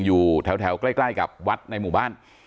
อยู่แถวใกล้กับวัดในหมู่บ้าน